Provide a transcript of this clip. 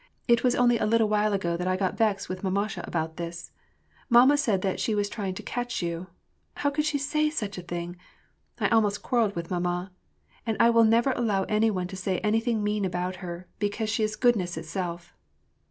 It was only a little while ago that I got vexed with mamasha about this. Mamma said that she was trying to catch you. How could she say such a thing ? I almost quarrelled with mamma. And I will never allow any one to say anything mean about her, because she is good ness itself."